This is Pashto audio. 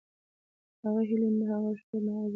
نه هغه هيلې نه هغه شور نه هغه ذوق.